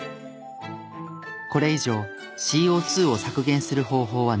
これ以上ＣＯ２を削減する方法はないのか？